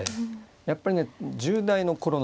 やっぱりね十代の頃のね